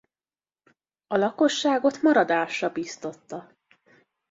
A lakosságot maradásra biztatta.